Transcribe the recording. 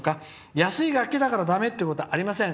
安い楽器だから、だめということはありません。